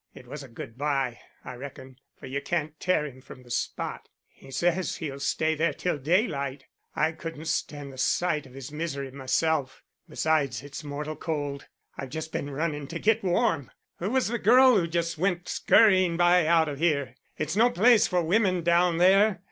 It was a good by, I reckon, for you can't tear him from the spot. He says he'll stay there till daylight. I couldn't stand the sight of his misery myself. Besides, it's mortal cold; I've just been running to get warm. Who was the girl who just went scurrying by out of here? It's no place for wimmen down there.